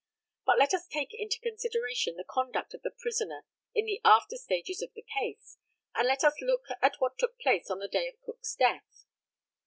But let us take into consideration the conduct of the prisoner in the afterstages of the case, and let us look at what took place on the day of Cook's death.